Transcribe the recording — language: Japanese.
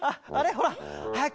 ほらはやく！